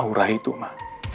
aura itu ma